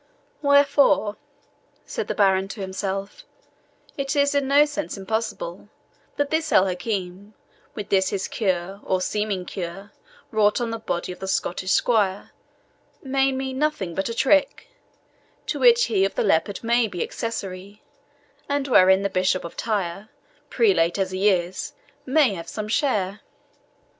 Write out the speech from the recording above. "Wherefore," said the baron to himself, "it is in no sense impossible that this El Hakim, with this his cure, or seeming cure, wrought on the body of the Scottish squire, may mean nothing but a trick, to which he of the Leopard may be accessory, and wherein the Bishop of Tyre, prelate as he is, may have some share."